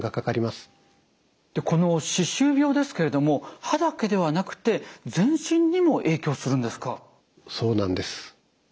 この歯周病ですけれども歯だけではなくて全身にも影響するんですか？